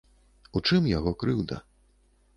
У чым яго крыўда?